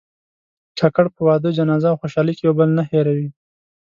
کاکړ په واده، جنازه او خوشحالۍ کې یو بل نه هېروي.